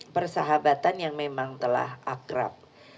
persahabatan yang memang telah akrab